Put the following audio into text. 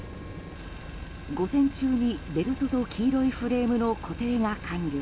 午前中にベルトと黄色いフレームの固定が完了。